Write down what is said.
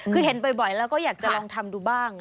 คือเห็นบ่อยแล้วก็อยากจะลองทำดูบ้าง